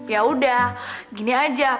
ya udah gini aja